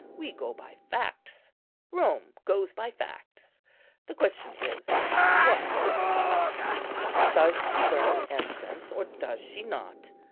We go by facts; Rome goes by facts. The question is, What is the fact? Does she burn incense, or does she not?